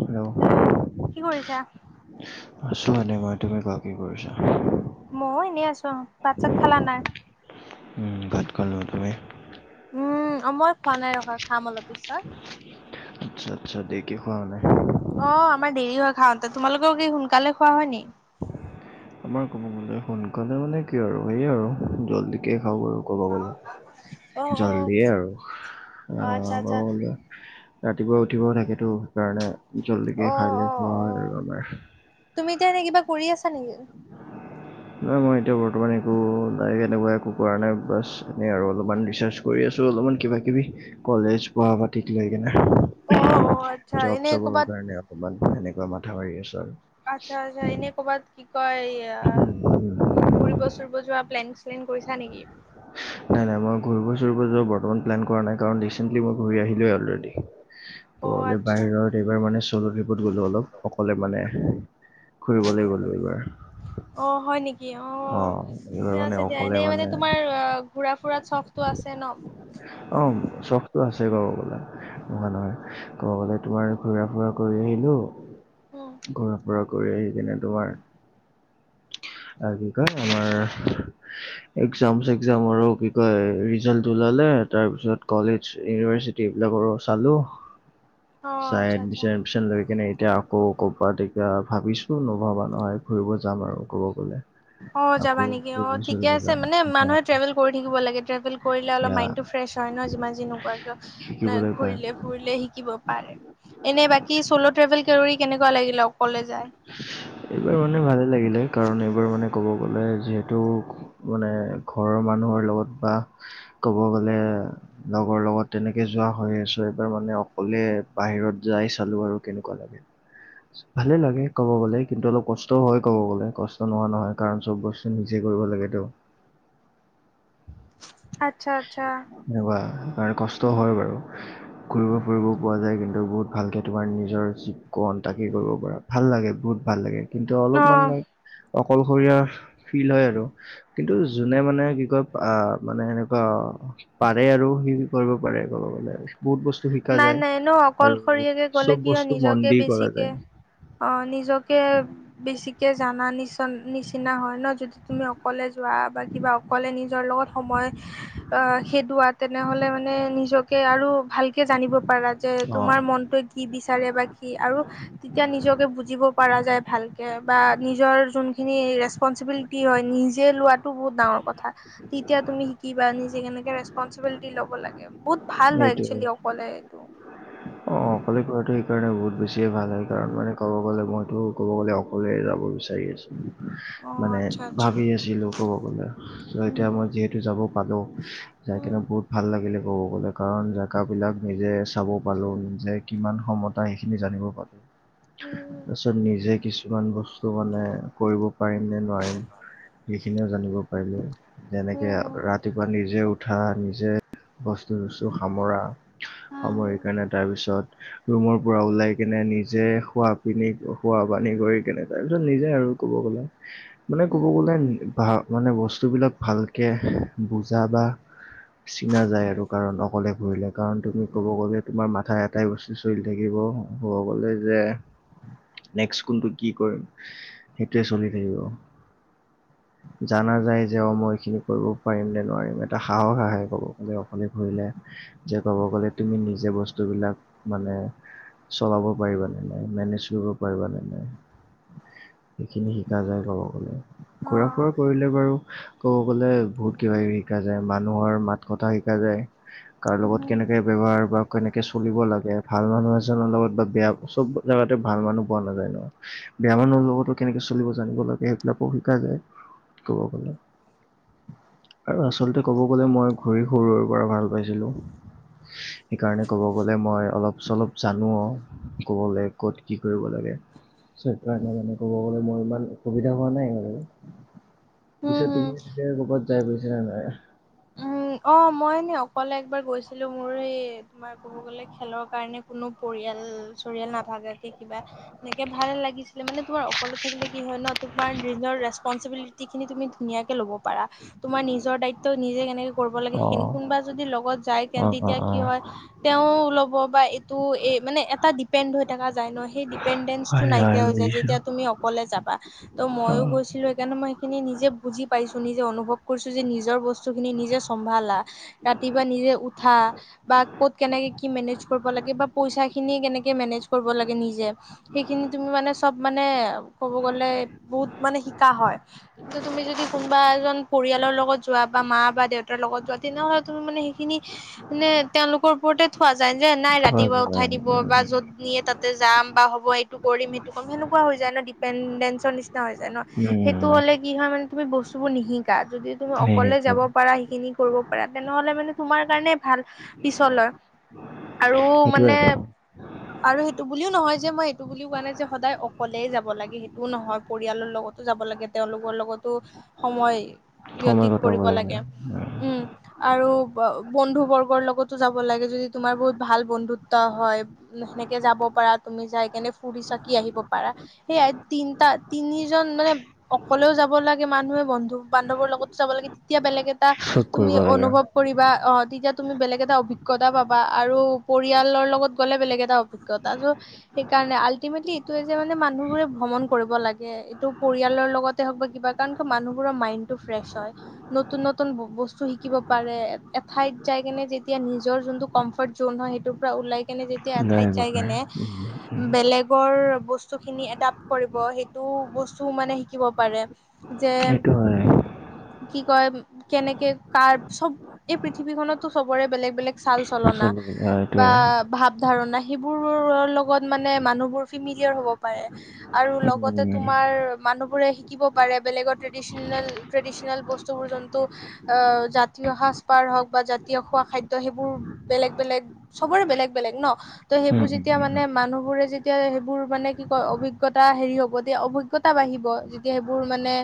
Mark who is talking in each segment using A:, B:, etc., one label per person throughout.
A: Hello.
B: Hello কি কৰিছা?
A: আছো এনে মই, তুমি কোৱা কি কৰিছা?
B: ময়ো এনেই আছো অঁ, পাট-চাত খালা নাই?
A: উম ভাত খালোঁ, তুমি?
B: উম, মই খোৱা নাই ৰখা, খাম অলপ পিছত।
A: আচ্ছা আচ্ছা দেইকে খোৱা মানে?
B: অ আমাৰ দেৰি হয় খাওঁতে। তোমালোকৰ কি সোনকালে খোৱা হয় নি?
A: আমাৰ ক'ব গ'লে সোনকালে মানে কি আৰু সে আৰু জলডিকেই খাওঁ বাৰু। ক'ব গলে
B: অ' অ'
A: জল্দিয়ে আৰু অ
B: আচ্ছা আচ্ছা
A: ক'ব গলে। ৰাতিপুৱা উঠিবও থাকেতো সেইকাৰণে জল্দি কে
B: অ'
A: খাই লৈ
B: অ'
A: খোৱা হয়
B: অ'।
A: আৰু আমাৰ।
B: তুমি এতিয়া এনেই কিবা কৰি আছা নেকি?
A: নাই মই এতিয়া বৰ্তমান একো নাই এনেকুৱা একো কৰা নাই বাছ এনেই আৰু অলপমান ৰিচাৰ্ছ কৰি আছোঁ অলপমান কিবা কিবি কলেজ পোৱা পাতিক লৈ কেনে।
B: অ' অ' আচ্ছা
A: জব
B: এনে
A: চবৰ
B: ক'বাত
A: কাৰণে অলপমান সেনেকুৱা মাথা মাৰি আছো আৰু।
B: আচ্ছা আচ্ছা এনে কবাদ। কি কয় ঘুৰিব চুৰিব যোৱা প্লেন চ্লেন কৰিছা নেকি?
A: নাই, নাই, মই ঘূৰিব চুৰিব যোৱাৰ বৰ্তমান প্লেন কৰা নাই কাৰণ ৰিচেণ্টলি মই ঘূৰি আহিলোই অলৰেডি।
B: অ'
A: গ'লে
B: আচ্ছা
A: বাহিৰৰ দেশৰ মানে চল ট্টিপত গ'লো অলপ অকলে মানে। খুৰিবলে গ'লো এইবাৰ।
B: অ হয় নেকি অ
A: অঁ এইবাৰ
B: ঠিকে
A: মানে
B: আছে দিয়া
A: অকলে
B: এনেই মানে তোমাৰ অগ- ঘূৰা ফুৰাত চফটো আছে ন।
A: অ চখটো আছে ক'ব গ'লে। নহয়, নহয় ক'ব গ'লে তোমাৰ ঘুৰা ফুৰা কৰি আহিলো।
B: উম।
A: ঘুৰা ফুৰা কৰি আহি কিনে তোমাৰ আৰু কি কয় আমাৰ একজাম চেকজাম আৰু কি কয় ৰিজাল্টটো ওলালে তাৰপিছত কলেজ ইউনিভাৰ্চিটি এইবিলাকৰো চালোঁ।
B: [inaudible]
A: চাই
B: আচ্ছা আচ্ছা।
A: এডমিশ্যন মিশ্যন লৈ কিনে এতিয়া আও। কৌ ক পাৰ্টি কা ভাবিছো নভবা নহয় ফুৰিব যাম আৰু ক'ব গ'লে।
B: অ
A: আকৌ
B: যাবা নেকি অ
A: ফুৰিব
B: ঠিকে
A: চুৰিব
B: আছে
A: যাম
B: মানে
A: এতিয়া
B: মানুহে
A: আকৌ
B: ট্ৰেভেল কৰি থাকিব লাগে ট্ৰেভেল কৰিলে অলপ
A: এয়া
B: মাইণ্ডটো ফ্ৰেছ হয় ন যিমান যি নোকোৱৰাকিয় ন
A: শিকিবলৈ পায়।
B: ঘূৰিলে ফুৰিলে শিকিব পাৰে। এনে বাকী চল ট্ৰেভেল কেনেকুৱা লাগিলে অকলে যায়। [inaudible]
A: এইবাৰ মানে ভালেই লাগিলে কাৰণ এইবাৰ মানে ক'ব গ'লে যিহেতু মানে ঘৰৰ মানুহৰ লগত বা ক'ব গ'লে লগৰ লগত তেনেকে যোৱা হৈ আছো। এইবাৰ মানে অকলে বাহিৰত যাই চালো আৰু কেনেকুৱা লাগে। ভালে লাগে ক'ব গ'লে কিন্তু অলপ কষ্টও হয়, ক'ব গ'লে কষ্ট নহোৱা নহয় কাৰণ চব বস্তু নিজে কৰিব লাগে ত।
B: আচ্ছা আচ্ছা।
A: এনেকুৱা কষ্ট
B: উম,
A: হয় বাৰু। ঘুৰি ফুৰিব পৰা যায় কিন্তু বহুত ভালকৈ তোমাৰ নিজৰ জী কণ তাকেই কৰিব পৰা ভাল লাগে বহুত। ভাল লাগে কিন্তু অলপমান
B: অ'
A: অকলশৰীয়া ফিল হয় আৰু কিন্তু যোনে মানে কি কয় মানে গ পাৰে আৰু সি কৰিব পাৰে ক'ব গ'লে বহুত বস্তু শিকা
B: নাই
A: যায়
B: নাই ন
A: আৰু
B: অকলশৰীয়াকে গ'লে
A: চব
B: কিয়
A: বস্তু মন
B: নিজকে
A: দি কৰা
B: বেছিকে
A: যায়
B: অ নিজকে বেছিকে জানা নিচ নিচিনা হয় ন যদি তুমি অকলে যোৱা বা কিবা কলে নিজৰ লগত সময় আহ খেদোৱা তেনেহলে মানে নিজকে আৰু ভাল কে জানিব পাৰা যে
A: অ
B: তোমাৰ মনটোৱে কি বিচাৰে বা কি আৰু তেতিয়া নিজকে বুজিব পৰা যায় ভালকে বা নিজৰ যোনখিনি ৰেচপনঞ্চিবিল- কি হয় নিজে লোৱাটো বহুত ডাঙৰ কথা। তেতিয়া তুমি শিকিবা নিজে কেনেকে ৰেচপনঞ্চিবিলিটি লব লাগে। বহুত ভাল হয়
A: সেইটোৱে
B: একচুৱেলি অকলে এইটো।
A: অ অকলে কৰাটোৱে সেইকাৰণে বহুত বেছিয়ে ভাল হয়, কাৰণ মানে ক'ব গ'লে মইতো ক'ব গ'লে অকলে যাব বিচাৰি আছ-
B: [inaudible]
A: মানে
B: আচ্ছা
A: ভাবি আছিলো ক'ব গ'লে, চ এতিয়া মই যিহেতু যাব পালো। যাই কিনে
B: আচ্ছা
A: বহুত ভাল লাগিলে ক'ব গ'লে কাৰণ জেগা বিলাক নিজে চাব পালো। যে কিমান ক্ষমতা সেইখিনি জানিব পালো। তাছত নিজে কিছুমান বস্তু মানে কৰিব পাৰিম নে নোৱাৰিম। সেইখিনিও জানিব পাৰিলো,
B: অ মই
A: যেনেকে ৰা- ৰাতিপুৱা নিজে উঠা, নিজে বস্তু চস্তু সামৰা, সামৰি কেনে- তাৰপিছত- ৰুমৰ পৰা ওলাই কেনে নিজে খোৱা পিনি খোৱা পানী কৰি কেনে তাৰ পিছত নিজে আৰু- ক'ব গ'লে।
B: [unintelligible]
A: মানে ক'ব গ'লে
B: এনেই
A: ভা মানে বস্তুবিলাক ভালকে বুজা বা- চিনা যায় আৰু কাৰণ অকলে ঘূৰিলে কাৰণ তুমি ক'ব গ'লে তোমাৰ মা- ঠাই এটা বস্তু চলি থাকিব ঘৰ গলে যে - নেক্স কোনটো কি কৰিম, সেইটোৱে চলি থাকিব।
B: [inaudible]
A: জানা যায় যে অ মই এইখিনি কৰিব পাৰিম নে নোৱাৰিম, এটা সাহস আহে ক'ব গলে অকলে ঘূৰিলে। যে ক'ব গ'লে তুমি নিজে বস্তুবিলাক মানে। চলাব পাৰিবা নে নাই মেনেজ কৰিব পাৰিবা নে নাই? সেইখিনি শিকা যায় ক'ব গ'লে, ঘূৰা ফুৰা কৰিলে বাৰু- ক'ব গ'লে বহুত কিবা কিবি শিকা যায়, মানুহৰ মাত কথা শিকা যায়। কাৰ লগত কেনেকে ব্যৱহাৰ বা- কেনেকে চলিব লাগে, ভাল মানুহ এজনৰ লগত বা বেয়া চব জেগাতে ভাল মানুহ পোৱা নাযায় ন। বেয়া মানুহ লগতো কেনেকে চলিব জানিব লাগে সেইবিলাকো শিকা যায় ক'ব গলে। আৰু আচলতে ক'ব গ'লে মই ঘূৰি সৰুৰে পৰা ভাল পাইছিলোঁ। সেইকাৰণে ক'ব গ'লে মই অলপ চলপ জানো অ ক'ব গ'লে ক'ত কি কৰিব লাগে। সেইকাৰণে মানে ক'ব গ'লে মোৰ ইমান অসুবিধা হোৱা নাই আৰু। পিছে তুমি এনেকে ক'ৰবাত যাই পাইছা নে নাই?
B: অ মই এনেই অকলে একবাৰ গৈছিলোঁ মোৰ এই- তোমাৰ ক'ব গ'লে খেলৰ কাৰণে কোনো পৰিয়াল চৰিয়াল নাভাগাকে কিবা- এনেকে ভাল লাগিছিলে মানে তোমাৰ অকলে থাকিলে কি হয় ন তোমাৰ নিজৰ ৰেচ- পঞ্চবিলিতি খিনি তুমি ধুনীয়াকে লব পাৰা, তোমাৰ নিজৰ দায়িত্ব নিজে কেনেকে - কৰিব লাগে
A: অ
B: সেই কোনোবা যদি লগত যায় তে
A: অ অ
B: তেতিয়া
A: অ
B: কি হয়। তেওঁ ল'ব বা এইটো এই মানে এটা ডিপেণ্ড হৈ থকা যায় ন, সেই দ্বীপ- পেন্দেন্স টো
A: হয় হয়
B: নাইকিয়া হৈ যায়
A: বুজিছো
B: যেতিয়া তুমি অকলে যাবা। ত
A: অ
B: মইও গৈছিলো সেইকাৰণে মই সেইখিনি নিজে বুজি পাইছো নিজে অনুভৱ কৰিছো যে নিজৰ বস্তু খিনি নিজে- চম্ভালা ৰাতিপুৱা নিজে উঠা। বা ক'ত কেনেকে কি মেনেজ কৰিব লাগে বা পইচা খিনিয়ে কেনেকে মেনেজ কৰিব লাগে নিজে- সেইখিনি তুমি মানে চব মানে ক'ব গ'লে বহুত মানে শিকা হয়। কিন্তু তুমি যদি কোনোবা এজন পৰিয়ালৰ লগত যোৱা বা মা বা দেউ- তাৰ লগত যোৱা তেনেহলে তুমি মানে সেইখিনি মানে তেওঁলোকৰ ওপৰতে- থোৱা যায় যে, নাই
A: হয়,
B: ৰাতিপুৱা উঠাই
A: হয়,
B: দিব বা য'ত নিয়ে তাত- যাম বা হ'ব এইটো কৰিম সেইটো কৰিম সেনেকুৱা হৈ যায় ন ডিপেনডেঞ্চৰ নি- হৈ যায় ন
A: উম,
B: সেইটো হলে কি হয় মানে তুমি বস্তুবোৰ নিশিকা যদি তুমি
A: সেই
B: অকলে
A: আৰু।
B: যাব পাৰা। খিনি কৰিব পাৰা তেনেহলে মানে তোমাৰ কাৰণে ভাল পিছলৈ হয়। আৰু
A: সেইটোৱে আৰু
B: মানে- আৰু সেইটো বুলিও নহয় যে মই সেইটো বুলিও কোৱা নাই যে সদায় অকলেই যাব লাগে সেইটোও নহয়। পৰিয়ালৰ লগতো যাব লাগে তেওঁলোকৰ লগতো সময়।
A: সময়
B: ব্যতীত
A: কটাব
B: কৰিব
A: লাগে।
B: উম। আৰু বন্ধু বৰ্গৰ লগতো যাব লাগে যদি তোমাৰ বহুত ভাল বন্ধুত্ব হয়। সেনেকে যাব পাৰা তুমি যাই কেনে ফুৰি চাকি আহিব পাৰা। সেইয়াই তিনিটা তিনিজন মানে- অকলেও যাব লাগে মানুহে বন্ধু বান্ধৱৰ লগতো যাব লাগে তেতিয়া বেলেগ এটা
A: চব
B: তুমি
A: কৰিব লাগে
B: অনুভৱ- কৰিবা অঁ তেতিয়া তুমি বেলেগ এটা অভিজ্ঞতা পাবা আৰু পৰিয়ালৰ লগত গ'লে বেলেগ এটা অভি- কদাটো সেইকাৰণে আল্টিমেটলি এইটোৱে যে মানে মানুহবোৰে ভ্ৰমণ কৰিব লাগে এইটো পৰিয়ালৰ লগতে হওক বা কিবা কাৰণ মানুহবোৰৰ মাইণ্ডটো ফ্ৰেছ হয় নতুন ন নতুন বস্তু শিকিব পাৰে এঠাইত যাই কেনে যেতিয়া নিজৰ যোনটো কমফৰট জন হয় সেইটো পৰা ওলাই কেনে যেতিয়া
A: ওলাই আহিব
B: এঠাইত যাই
A: পাৰে
B: কেনে
A: উম
B: বেলেগৰ বস্তুখিনি এডাপ্ট কৰিব সেইটো বস্তু মানে শিকিব পাৰে। যে
A: সেইটো হয়।
B: কি কয় কেনেকে কাৰ চব এই পৃথিৱীখনতো চবৰে বেলেগ বেলেগ ছাল চলনা।
A: চলিব
B: বা
A: এইটোৱে
B: ভাৱ ধাৰণা সেইবোৰৰ লগত মানে মানুহবোৰ ফিমিলিয়াৰ হ'ব পাৰে। আৰু
A: উম
B: লগতে তোমাৰ মানুহো শিকিব পাৰে বেলেগৰ ট্ৰেদিশ নেল ট্ৰেডিচনেল বস্তুবোৰ য টো আ জাতীয় সাজপাৰ হওঁক বা জাতীয় খোৱা খাদ্য সেইবোৰ বেলেগ বেলেগ চবৰে বেলেগ বেলেগ ন। ত'
A: উম
B: সেইবোৰ
A: উম
B: যেতিয়া
A: উম।
B: মানে মানুহবোৰে যেতিয়া সেইবোৰ মানে কি কয় অভিজ্ঞতা হেৰি হব তেতিয়া অভি জ্ঞতা বাঢ়িব যেতিয়া সেইবোৰ মানে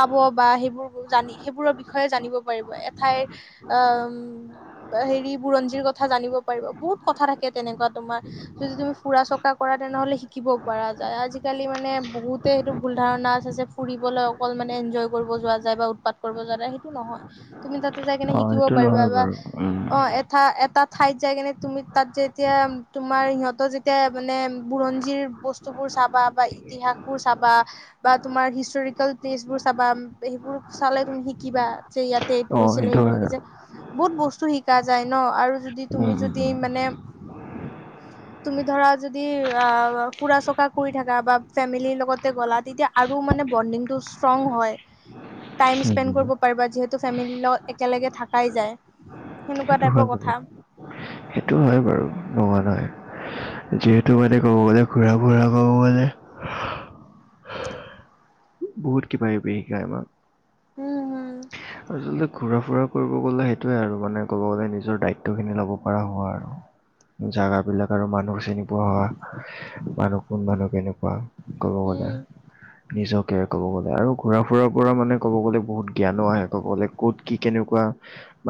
B: পাব বা সেইবোৰ জানি সেইবোৰৰ বিষয়ে জানিব পাৰিব এঠাইৰ আম বা হেৰি বুৰঞ্জীৰ কথা জানিব পাৰিব, বহুত কথা থাকে তেনেকুৱা তোমাৰ যদি তুমি ফুৰা চকা কৰা তেনেহ'লে শিকিব পৰা যায়, আজিকালি মানে বহুতে সেইটো ভুল ধাৰণা আছে যে ফুৰিবলৈ অকল মানে এনজয় কৰিব যোৱা যায় বা উৎপাত কৰিব যোৱা যায় সেইটো নহয় তুমি তাতে যাই
A: অ
B: কেনে শি থিব
A: সেইটো
B: পাৰিবা
A: নহয়
B: বা
A: বাৰু উম
B: অ এ ঠা এটা ঠাইত যাই কিনে তুমি তাত যেতিয়া তোমাৰ সিহঁতৰ যেতিয়া মানে বুৰঞ্জীৰ বস্তু বস্তুবোৰ চাবা বা ইতিহাসবোৰ চাবা বা তুমাৰ হিষ্টৰিকেল প্লেচবোৰ চাবা সেইবোৰ চালে তুমি কিবা যে ইয়াতে এইটো
A: অ
B: হৈছিলে সেইটো
A: হয়
B: যে
A: আৰু।
B: বহুত বস্তু শিকা যায় ন আৰু যদি তুমি
A: উম উম
B: যদি
A: উম উম
B: মানে তুমি ধৰা যদি অ ফুৰা চকা কৰি থাকা বা ফেমিলিৰ লগতে গ'লা তেতিয়া আৰু মানে বন্দিং তো ষ্ট্ৰং হৈ টাইমচ পেণ্ড কৰিব
A: সেইটো
B: পাৰিবা যিহেতু ফেমিলি লগ একলেগে থাকাই যায় সেনেকুৱা
A: হয়
B: টাইপৰ
A: বাৰু
B: কথা।
A: সেইটো হয় বাৰু নহয় নহয় যিহেতু মানে ক'ব গ'লে ঘূৰা ফুৰা ক'ব গ'লে বহুত কিবা কিবি শিকা আমাক।
B: উম হুম।
A: আচলতে ঘূৰা ফুৰা কৰিব গ'লে সেইটোয়ে আৰু মানে ক'ব গ'লে নিজৰ দায়িত টো খিনি লব পৰা হোৱা আৰু জেগাবিলাক আৰু মানুহ চিনি পোৱা হোৱা, মানুহ কোন মানুহ কেনেকুৱা ক'ব গলে।
B: উম
A: নিজকে ক'ব গ'লে আৰু ঘুৰা ফুুৰাৰ পৰা মানে ক'ব গ'লে বহুত জ্ঞানো আহে। কলে ক'ত কি কেনেকুৱা?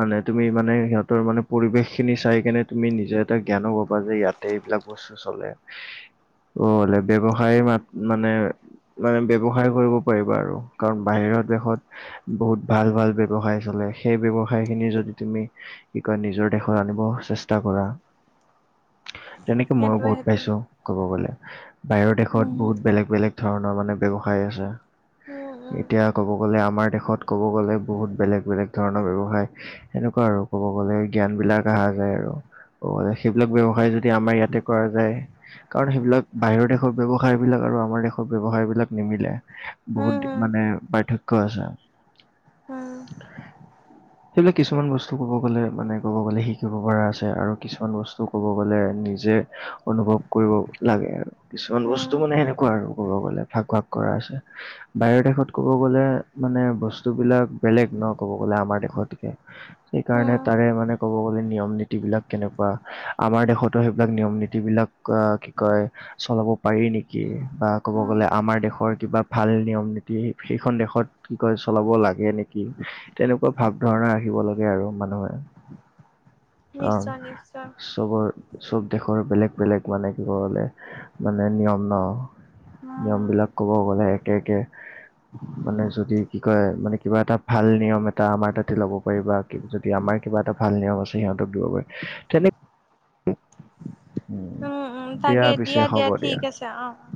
A: মানে তুমি মানে সিহতৰ মানে পৰিবেশখিনি চাই কেনে তুমি নিজে এটা জ্ঞানো পাবা যে ইয়াতে এইবিলাক বস চলে, অ ব্যৱসায় মাত মানে মানে ব্যৱসায় কৰিব পাৰিব আৰু কাৰণ বাহিৰৰ দেশত বহুত ভাল ভাল ব্যৱসায় চলে, সেই ব্যৱসায়খিনি যদি তুমি কি কয় নিজৰ দেশত আনিব চেষ্টা কৰা তেনেকে মইও
B: সেইটোৱে
A: বহুত
B: সেইটোৱে
A: পাইছো কব গলে। বাহিৰৰ দেশত
B: উম
A: বহুত বেলেগ বেলেগ ধৰণৰ মানে ব্যৱসায় আছে,
B: উম উম
A: এতিয়া ক'ব গ'লে আমাৰ দেশত ক'ব গ'লে বহুত বেলেগ - বেলেগ ধৰণৰ ব্যৱসায় এনেকুৱা আৰু ক'ব গ'লে জ্ঞানবিলাক আহা যায় আৰু সেইবিলাক ব্যৱসায় যদি আমাৰ ইয়াতে কৰা যায় কাৰণ সেইবিলাক বাহিৰৰ দেশৰ ব্যৱসায়বিলাক আৰু আমাৰ দেশৰ ব্যৱসায়বিলাক নিমিলে।
B: হম
A: বহুত
B: হম
A: মানে পাৰ্থক্য আছে।
B: উম।
A: সেইবিলাক কিছুমান বস্তু ক'ব গ'লে মানে ক'ব গ'লে শিকিব পৰা আছে আৰু কিছুমান বস্তু ক'ব গ'লে নিজে অনুভৱ কৰিব লাগে আৰু। কিছুমান
B: উম উম
A: বস্তু মানে সেনেকুৱা আৰু ক'ব গ'লে, ভাগ - ভাগ কৰা আছে। বাহিৰৰ দেশত ক'ব গ'লে মানে বস্ তুবিলাক বেলেগ ন' ক'ব গ'লে, আমাৰ দেশতকে। সেইকাৰণে
B: উম
A: তাৰে মানে ক'ব গ'লে, নিয়ম-নীতিবিলাক কেনেকুৱা, আমাৰ দেশতো সেইবিলাক নিয়ম-নীতিবিলাক কি কয় চলাব পাৰি নেকি বা ক'ব
B: উম
A: গ'লে আমাৰ দেশৰ কিবা ভাল নিয়ম-নীতি সেইখন দেশত কি কয় চলাব লাগে নেকি, তেনেকুৱা ভাৱ ধাৰণা আহিব লাগে আৰু মানুহে। কাৰণ
B: নিশ্চয় নিশ্চয়
A: চবৰ- চব দেশৰ বেলেগ - বেলেগ মানে কি কব গ'লে, মানে নিয়ম ন'
B: উম
A: নিয়মবিলাক ক'ব গ'লে, একে - একে, মানে যদি কি কয়, মানে কিবা এটা ভাল নিয়ম এটা আমাৰ তাতে ল'ব পাৰিবা, কি- যদি আমাৰ কিবা এটা ভাল নিয়ম আছে সিহঁতক দিব পাৰে। তেনে উম,
B: উম
A: দিয়া
B: তাকে
A: পিছে, হ'ব দিয়া।
B: ঠিক আছে অ'।